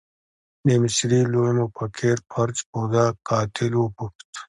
د مصري لوی مفکر فرج فوده قاتل وپوښت.